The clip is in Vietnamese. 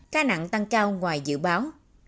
ca nặng tăng cao ngoài dự báo